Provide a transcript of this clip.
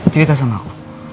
cerita sama aku